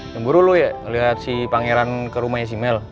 yang buru lo ya ngeliat si pangeran ke rumahnya si mel